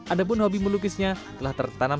ada pun hobi melukisnya telah tertanam